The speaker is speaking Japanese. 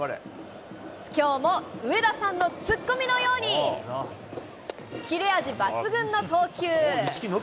きょうも上田さんのツッコミのように、切れ味抜群の投球。